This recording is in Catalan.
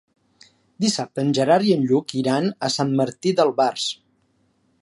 Dissabte en Gerard i en Lluc iran a Sant Martí d'Albars.